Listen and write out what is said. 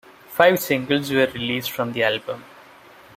Five singles were released from the album.